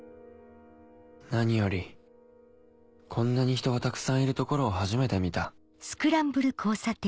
何よりこんなに人がたくさんいるところを初めて見た。